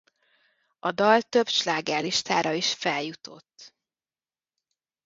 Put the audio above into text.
A dal több slágerlistára is feljutott.